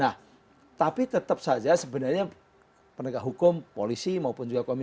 nah tapi tetap saja sebenarnya penegak hukum polisi maupun juga komisi